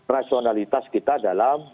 rationalitas kita dalam